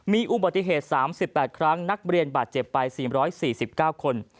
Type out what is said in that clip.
มีอุบัติเหตุ๓๘ครั้งนักเรียนบาดเจ็บไป๔๔๙คน